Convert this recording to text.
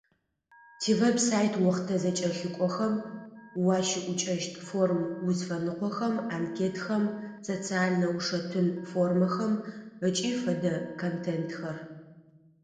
Тивеб-сайт охътэ зэкӏэлъыкӏохэм уащыӏукӏэщт форм-узфэныкъохэм, анкетхэм, социальнэ ушэтын формэхэм ыкӏи фэдэ контентхэр.